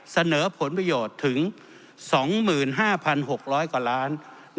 เสนอผลประโยชน์ถึง๒๕๖๐๐กว่าล้าน